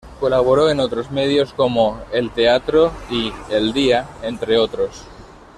Colaboró en otros medios como "El Teatro" y "El Día", entre otros.